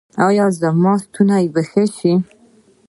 ایا زما ستونی به ښه شي؟